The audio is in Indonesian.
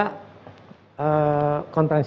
kita ingin berkongsi dengan